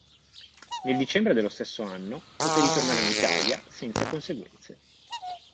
Nel dicembre dello stesso anno, poté ritornare in Italia senza conseguenze.